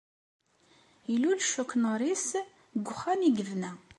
Ilul Chuck Norris deg uxxam i yebna.